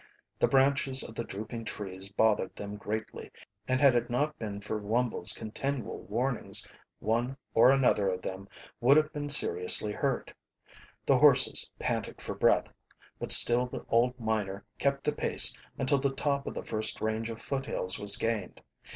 The branches of the drooping trees bothered them greatly, and had it not been for Wumble's continual warnings one or another of them would have been seriously hurt. The horses panted for breath, but still the old miner kept the pace until the top of the first range of foothills was gained.